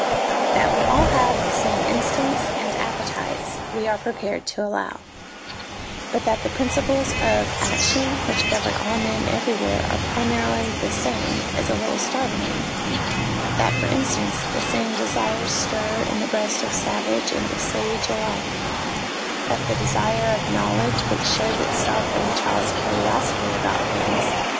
That we all have the same instincts and appetites, we are prepared to allow, but that the principles of action which govern all men everywhere are primarily the same, is a little startling; that, for instance, the same desires stir in the breasts of savage and of sage alike ; that the desire of knowledge, which shows itself in the child's curiosity about things 'HABIT IS TEN NATURES* to!